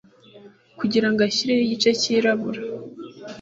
Kugira ngo ashyire igice cyirabura